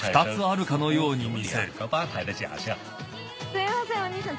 すいませんお兄さん